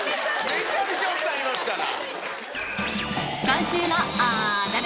めちゃめちゃ奥さんいますから。